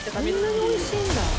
そんなにおいしいんだ。